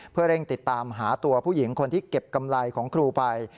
เพื่อเร่งติดตามหาตัวผู้หญิงคนที่เก็บกำไรของครูไป